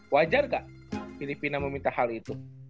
wajar gak filipina meminta hal itu